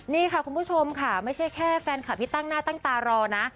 นี่ค่ะคุณผู้ชมค่ะไม่ใช่แค่แฟนคลับที่ตั้งหน้าตั้งตารอนะ